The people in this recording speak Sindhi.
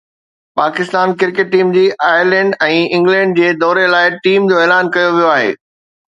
پاڪستان ڪرڪيٽ ٽيم جي آئرلينڊ ۽ انگلينڊ جي دوري لاءِ ٽيم جو اعلان ڪيو ويو آهي